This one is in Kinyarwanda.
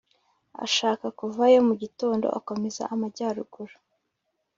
ashaka kuvayo mu gitondo akomeza amajyaruguru